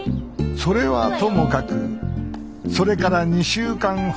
それはともかくそれから２週間ほどが過ぎ